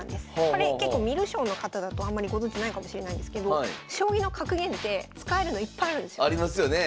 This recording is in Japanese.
これ結構観る将の方だとあんまりご存じないかもしれないんですけど将棋の格言って使えるのいっぱいあるんですよ。ありますよね。